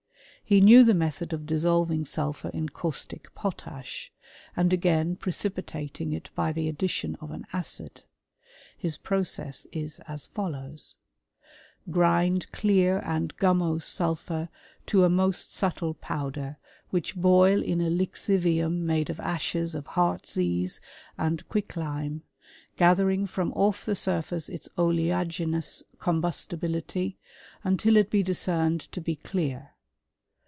§ He knew the method of dissolving sulphur in caustic potash, and again precipitating it by the addition of an acid. His process is as follows :Grind clear and gummose sulphur to a most subtile powder, which boU in a lixivium made of ashes of heartsease and quicklime, gathering from off the surface its oleaginous combustibility, until it be dis cerned to be clear.